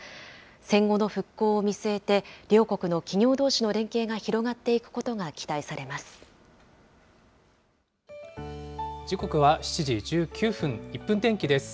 戦後の復興を見据えて、両国の企業どうしの連携が広がっていくこ時刻は７時１９分、１分天気です。